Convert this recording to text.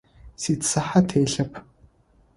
Сицыхьэ телъэп.